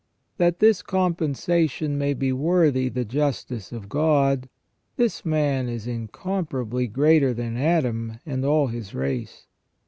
That this compensation may be worthy the justice of God, this Man is incomparably greater than Adam and all his race.